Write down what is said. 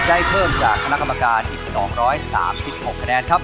ได้เพิ่มจากคณะกรรมการอีก๒๓๖คะแนนครับ